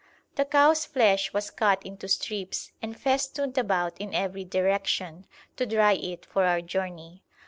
The cow's flesh was cut into strips and festooned about in every direction, to dry it for our journey.